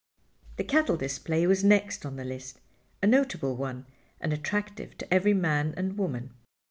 The cattle display was next on the list—a notable one, and attractive to every man and woman.